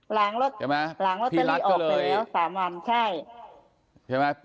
หลังลอตเตอรี่ออกไปแล้ว๓วันใช่